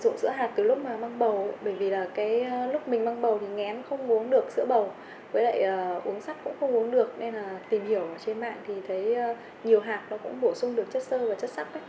chị quỳnh sinh sống tại quận hoàng mai hà nội sử dụng sữa hạt từ lúc mang bầu bởi vì lúc mình mang bầu thì ngén không uống được sữa bầu với lại uống sắt cũng không uống được nên là tìm hiểu trên mạng thì thấy nhiều hạt nó cũng bổ sung được chất sơ và chất sắc